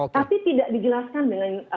tapi tidak dijelaskan dengan